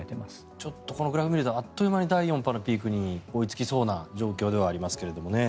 ちょっとグラフを見るとあっという間に第４波のピークに追いつきそうな状況ではありますけどもね。